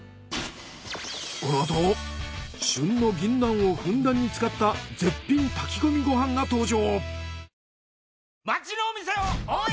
このあと旬のギンナンをふんだんに使った絶品炊き込みご飯が登場。